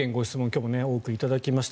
今日も多く頂きました。